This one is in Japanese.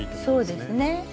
そうですね。